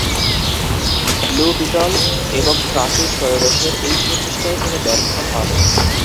Blue beetle এবং Tracy ত্রয়োদশের এই প্রচেষ্টায় তিনি ব্যর্থ হন।